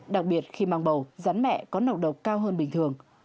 đặc biệt khi mang bầu rắn mẹ có nọc độc cao hơn bình thường